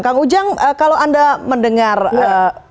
kang ujang kalau anda mendengar penjelasan